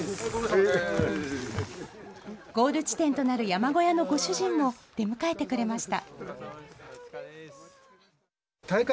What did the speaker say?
ゴール地点となる山小屋のご主人も出迎えてくれました。